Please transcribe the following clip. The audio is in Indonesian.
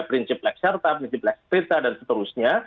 prinsip black shirt prinsip black tita dan seterusnya